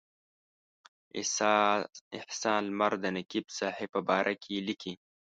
احسان لمر د نقیب صاحب په باره کې لیکي.